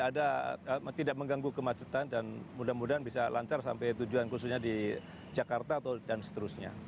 karena tidak mengganggu kemacetan dan mudah mudahan bisa lancar sampai tujuan khususnya di jakarta dan seterusnya